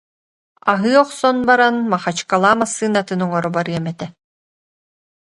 Аһыы охсон баран Махачкала массыынатын оҥоро барыам этэ